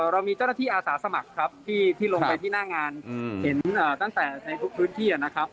เรามีเจ้าหน้าที่อาสาสมัครครับที่ลงไปที่หน้างานเห็นตั้งแต่ในทุกพื้นที่นะครับ